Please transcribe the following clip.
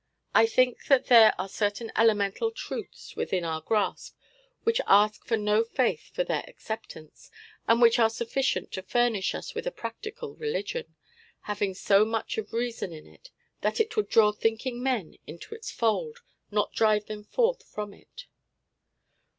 I think that there are certain elemental truths within our grasp which ask for no faith for their acceptance, and which are sufficient to furnish us with a practical religion, having so much of reason in it that it would draw thinking men into its fold, not drive them forth from it.